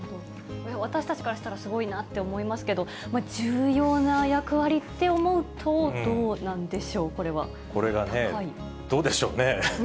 私たちからしたらすごいなと思いますけど、重要な役割って思うと、どうなんでしょう、これがね、どうでしょうね。